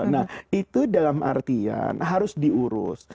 nah itu dalam artian harus diurus